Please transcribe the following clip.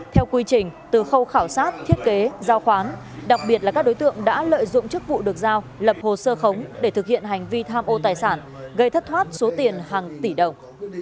theo quy trình từ khâu khảo sát thiết kế giao khoán đặc biệt là các đối tượng đã lợi dụng chức vụ được giao lập hồ sơ khống để thực hiện hành vi tham ô tài sản gây thất thoát số tiền hàng tỷ đồng